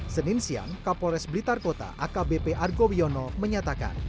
senin siang kapolres blitar kota akbp argo wiono menyatakan